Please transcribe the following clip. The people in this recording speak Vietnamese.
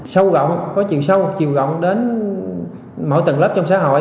sâu gọn có chiều sâu chiều gọn đến mỗi tầng lớp trong xã hội